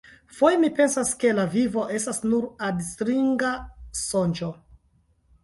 Foje mi pensas, ke la vivo estas nur adstringa sonĝo.